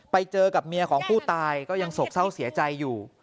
ไปเจอกับเมียของผู้ตายก็ยังโศกเศร้าเสียใจอยู่